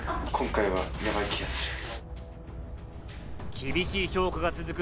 厳しい評価が続く